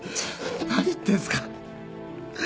何言ってんすか！